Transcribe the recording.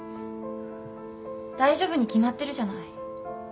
大丈夫に決まってるじゃない。